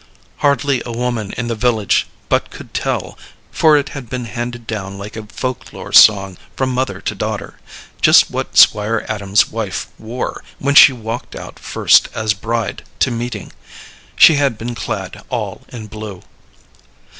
Hardly a woman in the village but could tell for it had been handed down like a folk lore song from mother to daughter just what Squire Adams's wife wore when she walked out first as bride to meeting. She had been clad all in blue.